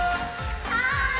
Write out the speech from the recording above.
はい！